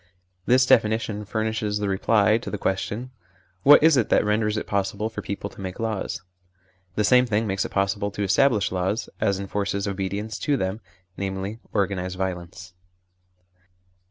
This definition furnishes the reply to the question : What is it that renders it possible for people to make laws ? The same thing makes it possible to establish laws, as enforces obedience to them, namely, organised violence.